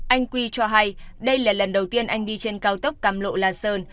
anh quy cho hay đây là lần đầu tiên anh đi trên cao tốc cam lộ la sơn